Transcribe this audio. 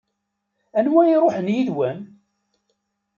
Anwa i iṛuḥen yid-wen?